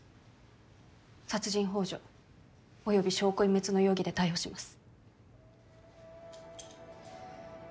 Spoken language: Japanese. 殺人幇助および証拠隠滅の容疑で逮捕します。